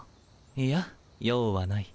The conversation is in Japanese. いや用はない。